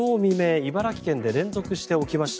茨城県で連続して起きました